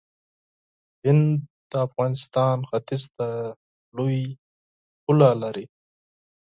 هند د افغانستان ختیځ ته لوی پوله لري.